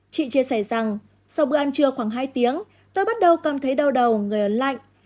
chị chia sẻ rằng sau bữa ăn trưa khoảng hai tiếng tôi bắt đầu cảm thấy đau đầu người ấm lạnh